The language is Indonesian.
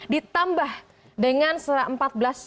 ditambah dengan sera empat belas